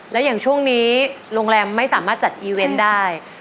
แล้วอย่างช่วงนี้โรงแรมไม่สามารถจัดอีเวนต์ได้